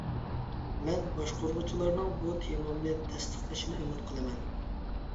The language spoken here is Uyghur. مەن باشقۇرغۇچىلارنىڭ بۇ تېمامنى تەستىقلىشىنى ئۈمىد قىلىمەن.